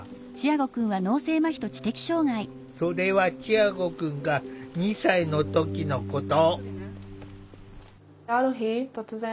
それはチアゴくんが２歳の時のこと。